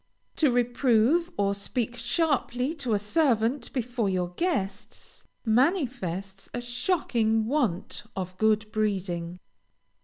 To reprove or speak sharply to a servant before your guests, manifests a shocking want of good breeding.